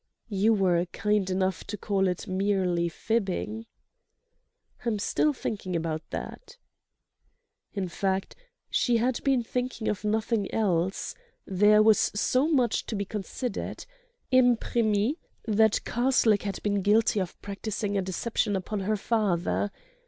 "You were kind enough to call it merely fibbing." "I'm still thinking about that." In fact, she had been thinking of nothing else. There was so much to be considered. Imprimis, that Karslake had been guilty of practising a deception upon her father.